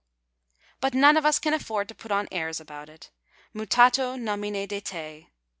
But none of us can afford to put on airs about it. Mittato nomine de te.